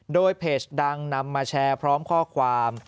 โดยเพจดังนำมาแชร์พร้อมข้อความ